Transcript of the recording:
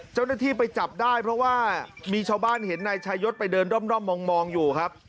เจ้าหน้าที่ไปจับได้เพราะว่ามีชาวบ้านเห็นนายชายศไปเดินด้อมมองอยู่ครับ